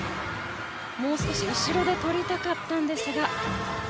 もう少し後ろでとりたかったんですが。